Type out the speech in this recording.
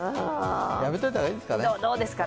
やめといた方がいいですかね。